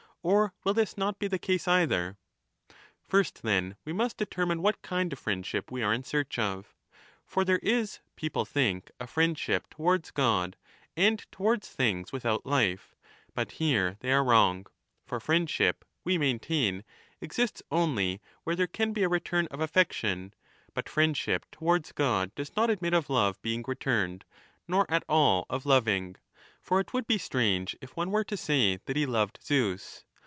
Or will this not be the 25 case either ? First, then, we must determine what kind of friendship we are in search of. For there is, people think, a friendship towards God and towards things without life, but here they are wrong. For friendship, we maintain, exists only where there can be a return of affection, but friendship towards 30 God does not admit of love being returned, nor at all of loving. For it would be strange if one were to say that he loved Zeus.